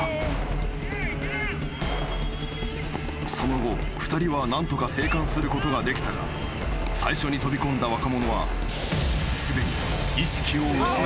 ［その後２人は何とか生還することができたが最初に飛び込んだ若者はすでに］